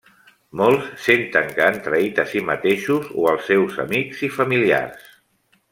Molts senten que han traït a si mateixos o als seus amics i familiars.